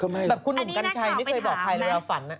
แบบคุณหนุ่มกัญชัยไม่เคยบอกใครเลยเราฝัน